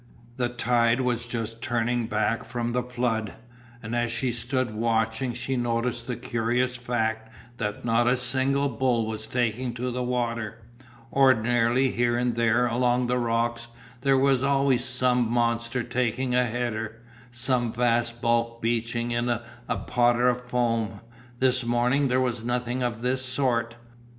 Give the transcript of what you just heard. The tide was just turning back from the flood, and as she stood watching she noticed the curious fact that not a single bull was taking to the water; ordinarily, here and there along the rocks, there was always some monster taking a header, some vast bulk beaching in a potter of foam. This morning there was nothing of this sort.